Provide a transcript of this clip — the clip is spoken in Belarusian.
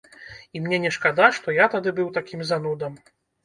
І мне не шкада, што я тады быў такім занудам.